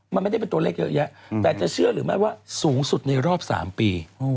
มันไม่ได้เป็นตัวเลขเยอะแยะแต่จะเชื่อหรือไม่ว่าสูงสุดในรอบ๓ปี